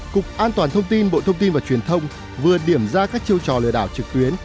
cục an toàn thông tin bộ thông tin và truyền thông vừa điểm ra các chiêu trò lừa đảo trực tuyến